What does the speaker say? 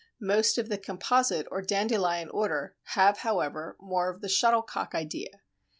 Most of the Composite or Dandelion order have, however, more of the "shuttlecock" idea.